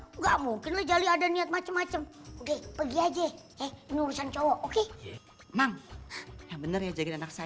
enggak mungkinlah jali ada niat macem macem oke pergi aja ya ini urusan cowok oke emang yang bener ya jagain anak saya